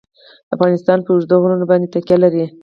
افغانستان په اوږده غرونه باندې تکیه لري.